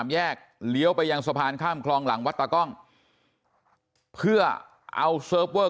แยกเลี้ยวไปยังสะพานข้ามคลองหลังวัดตากล้องเพื่อเอาเซิร์ฟเวอร์